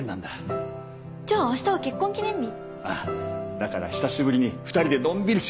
だから久しぶりに２人でのんびりしようと思って。